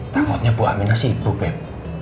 takutnya bu aminah sih ibu beb